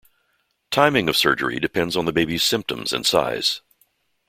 Timing of surgery depends on the baby's symptoms and size.